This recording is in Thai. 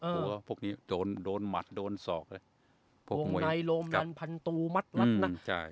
หัวพวกนี้โดนโดนหมัดโดนศอกเลยโดนในโรมดันพันตุมัดลัดน่ะอืมใช่